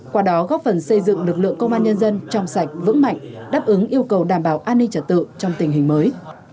qua đó góp phần xây dựng lực lượng công an nhân dân trong sạch vững mạnh đáp ứng yêu cầu đảm bảo an ninh trật tự trong tình hình mới